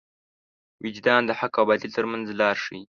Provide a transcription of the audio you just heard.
وجدان د حق او باطل تر منځ لار ښيي.